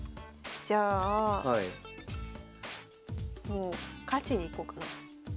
もう勝ちにいこうかな。